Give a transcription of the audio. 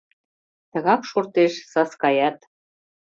Тыгак шортеш Саскаят...